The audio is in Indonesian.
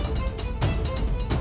agar tetap jaya